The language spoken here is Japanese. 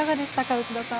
内田さん。